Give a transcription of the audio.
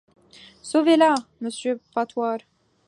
Sauvez-la, monsieur Patoir…